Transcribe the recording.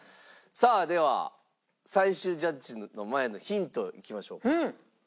では最終ジャッジの前のヒントいきましょうか。